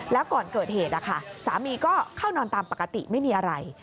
แล้วก่อนเกิดเหตุสามีก็เข้านอนตามปกติไม่มีอะไร